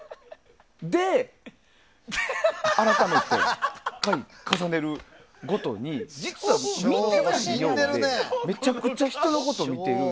で、改めて回を重ねるごとに実は、見てないようでめちゃくちゃ人のことを見てる。